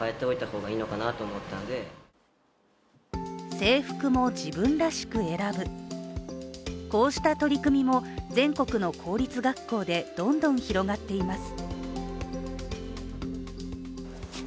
制服も自分らしく選ぶ、こうした取り組みも全国の公立学校でどんどん広がっています。